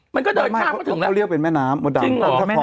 มันก็เดินข้ามมาถึงแล้วเขาเรียกว่าเป็นแม่น้ำจริงเหรอแม่น้ำ